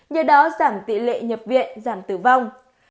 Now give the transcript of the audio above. nhờ đó giảm tỷ lệ nhập viện giảm tử vong